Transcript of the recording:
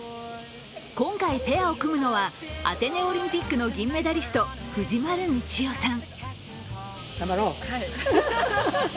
今回ペアを組むのはアテネオリンピックの銀メダリスト・藤丸真世さん。